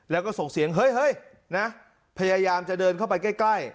แล้วก็ส่งเสียงเฮ้ยนะพยายามจะเดินเข้าไปใกล้